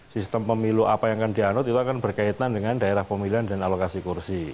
sistem pemilu apa yang akan dianut itu akan berkaitan dengan daerah pemilihan dan alokasi kursi